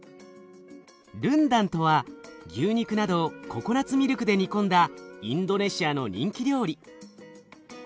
ルンダンとは牛肉などをココナツミルクで煮込んだインドネシアの人気料理。